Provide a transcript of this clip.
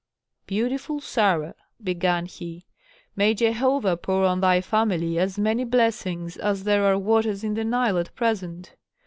"Beautiful Sarah," began he, "may Jehovah pour on thy family as many blessings as there are waters in the Nile at present!